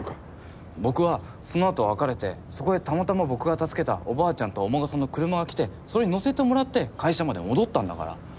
僕はそのあと別れてそこへたまたま僕が助けたおばあちゃんとお孫さんの車が来てそれに乗せてもらって会社まで戻ったんだから。